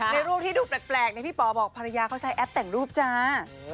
รูปที่ดูแปลกพี่ป๋อบอกภรรยาเขาใช้แอปแต่งรูปจ้า